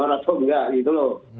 atau tidak gitu lho